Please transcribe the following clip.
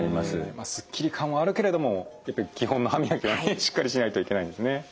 まあすっきり感はあるけれどもやっぱり基本の歯磨きはねしっかりしないといけないんですね。